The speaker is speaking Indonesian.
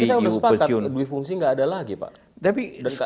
kita sudah sepakat dwi fungsi tidak ada lagi pak